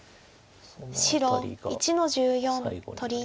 白１の十四取り。